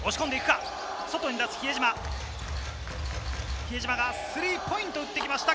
比江島がスリーポイント打ってきました！